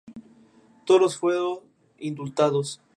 Todos fueron indultados.